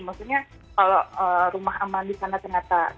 maksudnya kalau rumah aman di sana ternyata tidak ada